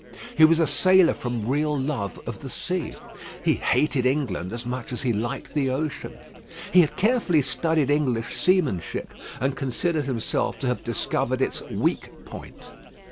He was a sailor from real love of the sea. He hated England as much as he liked the ocean. He had carefully studied English seamanship, and considered himself to have discovered its weak point.